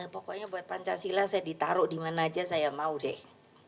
pokoknya buat pancasila saya ditaruh dimana aja saya mau deh